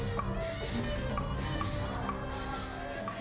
นะครับ